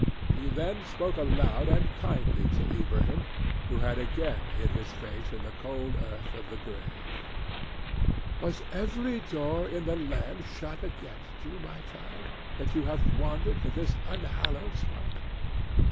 He then spoke aloud and kindly to Ilbrahim, who had again hid his face in the cold earth of the grave: "Was every door in the land shut against you, my child, that you have wandered to this unhallowed spot?"